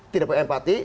tidak mempunyai empati